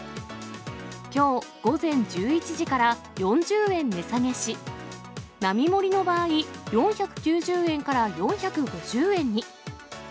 きょう午前１１時から４０円値下げし、並盛の場合、４９０円から４５０円に。